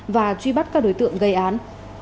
và truy bắt các đối tượng gây án